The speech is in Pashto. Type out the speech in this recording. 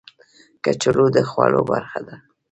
کچالو د خوړو برخه ده